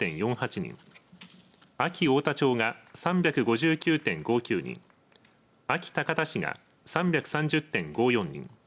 安芸太田町が３５９．５９人安芸高田市が３３０．５４人